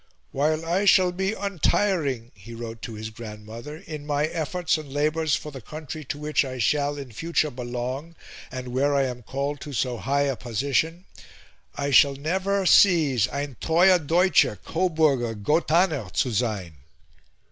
"While I shall be untiring," he wrote to his grandmother, "in my efforts and labours for the country to which I shall in future belong, and where I am called to so high a position, I shall never cease ein treuer Deutscher, Coburger, Gothaner zu sein."